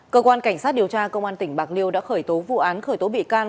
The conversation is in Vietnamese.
cơ quan cảnh sát điều tra công an tỉnh bạc liêu đã khởi tố vụ án khởi tố bị can